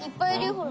ほら。